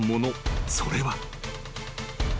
［それは］